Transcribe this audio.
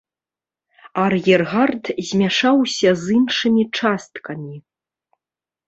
Ар'ергард змяшаўся з іншымі часткамі.